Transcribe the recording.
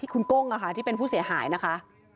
คุณกุ้งที่เป็นผู้เสียหายนะคะ